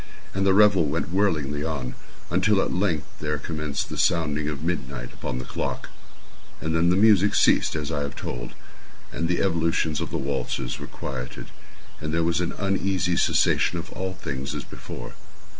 And the revel went whirlingly on, until at length there commenced the sounding of midnight upon the clock. And then the music ceased, as I have told; and the evolutions of the waltzers were quieted; and there was an uneasy cessation of all things as before.